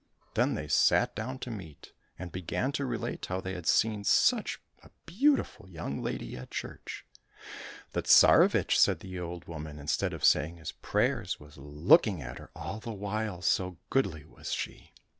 — Then they sat down to meat, and began to relate how they had seen such a beautiful young lady at church. —*' The Tsarevich," said the old woman, " instead of saying his prayers, was looking at her all the while, so goodly was she."